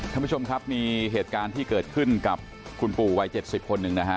ท่านผู้ชมครับมีเหตุการณ์ที่เกิดขึ้นกับคุณปู่วัย๗๐คนหนึ่งนะฮะ